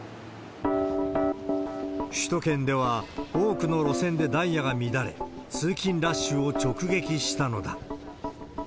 首都圏では多くの路線でダイヤが乱れ、通勤ラッシュを直撃したのだ。